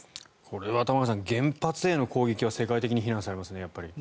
これは玉川さん原発への攻撃は世界的に非難されますね。